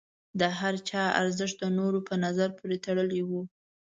د هر چا ارزښت د نورو په نظر پورې تړلی و.